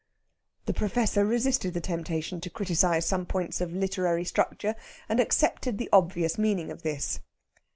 The Professor resisted the temptation to criticize some points of literary structure, and accepted the obvious meaning of this.